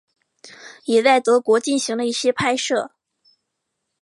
也在德国进行了一些拍摄。